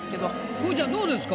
くーちゃんどうですか？